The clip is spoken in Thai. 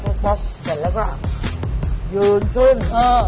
เสร็จแล้วก็ยืนขึ้น